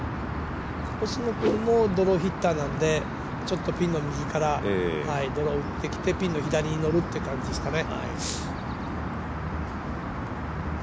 星野君もドローヒッターなんで、ピンの右からドローを打ってきてピンの左にのるっていう感じですかね。